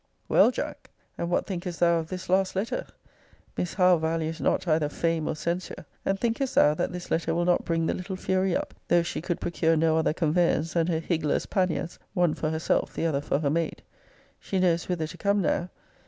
Well, Jack! And what thinkest thou of this last letter? Miss Howe values not either fame or censure; and thinkest thou, that this letter will not bring the little fury up, though she could procure no other conveyance than her higgler's panniers, one for herself, the other for her maid? She knows whither to come now.